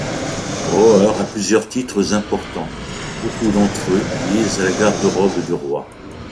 Rawer a plusieurs titres importants, beaucoup d'entre eux liés à la garde-robe du roi.